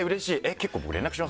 結構僕連絡しますよ」